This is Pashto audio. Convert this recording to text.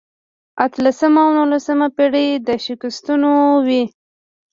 اتلسمه او نولسمه پېړۍ د شکستونو وې.